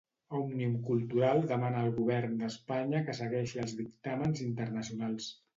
Òmnium Cultural demana al govern d'Espanya que segueixi els dictàmens internacionals.